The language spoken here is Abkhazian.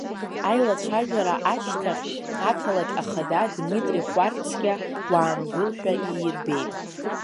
Аилацәажәара ашьҭахь ақалақь ахада Дмитри Хәарцкиа, уаангыл ҳәа иирбеит.